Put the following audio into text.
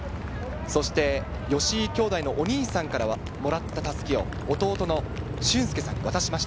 そして吉居兄弟のお兄さんからもらった襷を弟の駿恭さんに渡しました。